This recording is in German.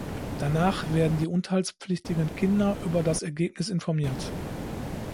Danach werden die unterhaltspflichtigen Kinder über das Ergebnis informiert.